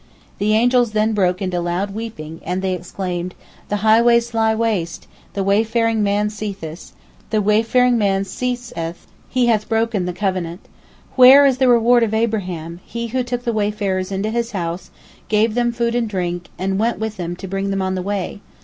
The angels then broke into loud weeping, and they exclaimed: "The highways lie waste, the wayfaring man ceaseth, he hath broken the covenant. Where is the reward of Abraham, he who took the wayfarers into his house, gave them food and drink, and went with them to bring them on the way?